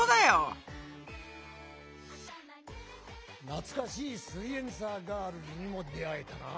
懐かしいすイエんサーガールズにも出会えたなぁ。